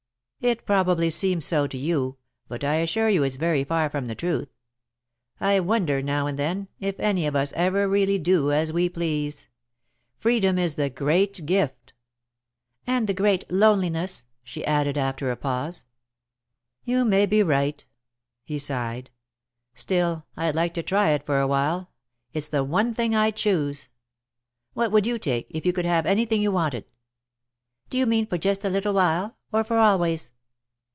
"It probably seems so to you, but I assure you it's very far from the truth. I wonder, now and then, if any of us ever really do as we please. Freedom is the great gift." [Sidenote: Choosing] "And the great loneliness," she added, after a pause. "You may be right," he sighed. "Still, I'd like to try it for a while. It's the one thing I'd choose. What would you take, if you could have anything you wanted?" "Do you mean for just a little while, or for always?"